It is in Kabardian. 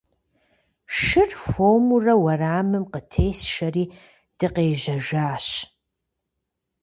Шыр хуэмурэ уэрамым къытесшэри, дыкъежьэжащ.